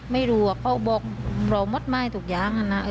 ไม่รู้เขาบอกเรามดไม้ทุกอย่างนะ